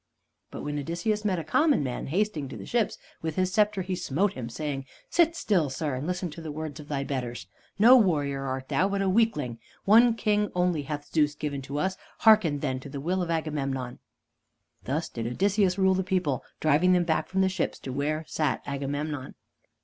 But when Odysseus met a common man hasting to the ships, with his scepter he smote him, saying: "Sit still, sir, and listen to the words of thy betters. No warrior art thou, but a weakling. One king only hath Zeus given to us. Hearken then to the will of Agamemnon!" Thus did Odysseus rule the people, driving them back from the ships to where sat Agamemnon.